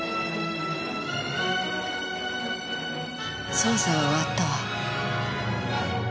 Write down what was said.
捜査は終わったわ。